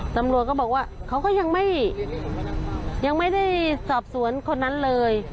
ตำรวจก็บอกว่าเขาก็ยังไม่ได้สอบสวนคนนั้นเลย